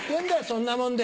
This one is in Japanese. そんなもんで。